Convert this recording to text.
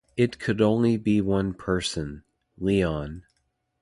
It could only be one person — Leon.